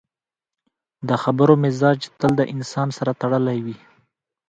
د خبرو مزاج تل د انسان سره تړلی وي